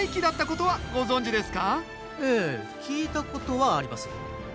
ええ聞いたことはあります